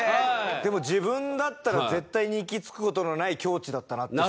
でも自分だったら絶対に行き着く事のない境地だったなってすごく。